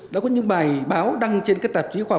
đã có những bài báo đăng trên các tạp chí khoa học